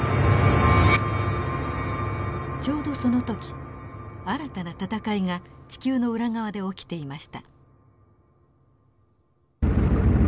ちょうどその時新たな戦いが地球の裏側で起きていました。